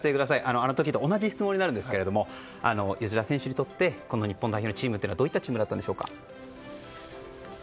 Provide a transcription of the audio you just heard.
あの時と同じ質問になるんですが吉田選手にとってこの日本代表チームというのはどういったチームだったんでしょうか。